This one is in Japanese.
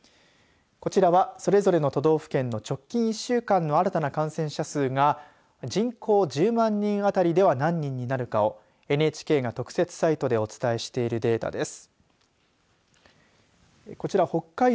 こちらはそれぞれの都道府県の直近１週間の新たな感染者数が人口１０万人当たりでは何人になるかをＮＨＫが特設サイトでお伝えしているデータです。